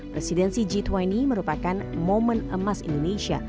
presidensi g dua puluh merupakan momen emas indonesia